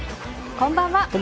こんばんは。